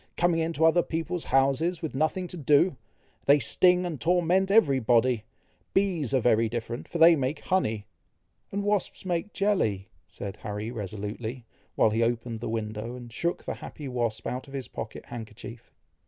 coming into other people's houses, with nothing to do! They sting and torment every body! Bees are very different, for they make honey." "And wasps make jelly!" said Harry resolutely, while he opened the window, and shook the happy wasp out of his pocket handkerchief. Mrs.